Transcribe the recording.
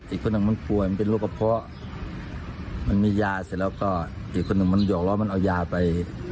อีกคนนึงมันปวโยงเป็นลูกพ่อมันมียาเสร็จแล้วก็ไออีกคนนึงมันบอกว่ามันเอาย่าไป